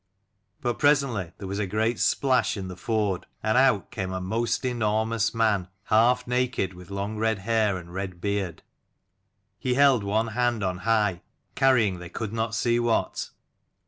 But presently there was a great splash in the ford, and out came a most enormous man, half naked, with long red hair and red beard. He held one hand on high, carrying they could not see what.